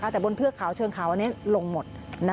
แต่บนเทือกเขาเชิงเขาอันนี้ลงหมด